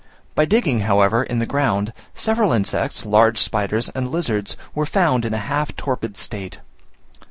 By digging, however, in the ground, several insects, large spiders, and lizards were found in a half torpid state.